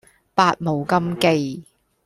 百無禁忌